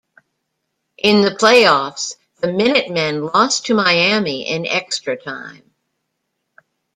In the playoffs the Minutemen lost to Miami in extra time.